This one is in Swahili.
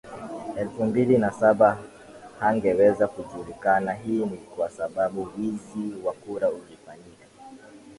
elfu mbili na saba hangeweza kujulikana Hii ni kwa sababu wizi wa kura ulifanyika